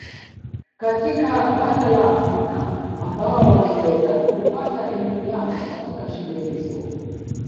Katika bara la Afrika ambao waliweza kupata elimu yao katika shule hizo